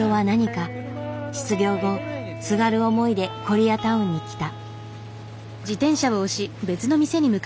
失業後すがる思いでコリアタウンに来た。